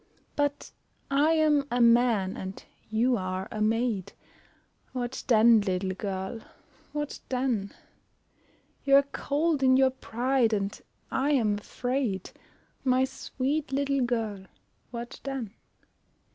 But I am a man and you are a maid, What then, little girl, what then? You're cold in your pride, and I am afraid, My sweet little girl, what then?